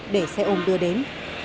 để xe ôm đưa đến